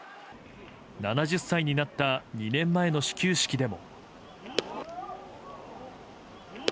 ７０歳になった２年前の始球式でも。